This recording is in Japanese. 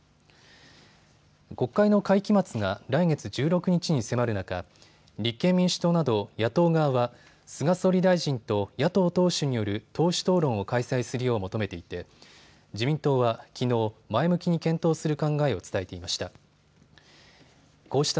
国会の会期末が来月１６日に迫る中、立憲民主党など野党側は菅総理大臣と野党党首による党首討論を開催するよう求めていて自民党はきのう、前向きに検討する考えを伝えていました。